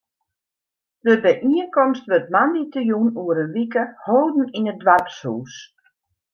De byienkomst wurdt moandeitejûn oer in wike holden yn it doarpshûs.